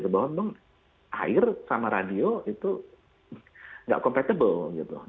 bahwa memang air sama radio itu tidak berkaitan